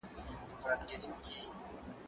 ته ولي ليکلي پاڼي ترتيب کوې،